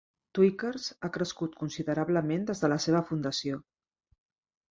Tweakers ha crescut considerablement des de la seva fundació.